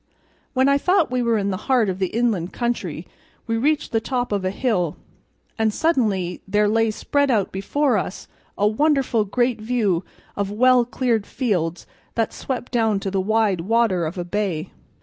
When I thought we were in the heart of the inland country, we reached the top of a hill, and suddenly there lay spread out before us a wonderful great view of well cleared fields that swept down to the wide water of a bay.